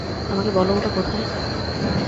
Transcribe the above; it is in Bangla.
আমাকে বলো ওটা কোথায়?